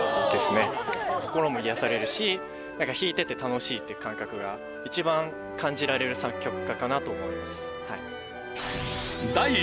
心も癒やされるし弾いてて楽しいって感覚が一番感じられる作曲家かなと思います。